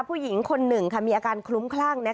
ผู้หญิงคน๑มีอาการคลุ้มขลั้ง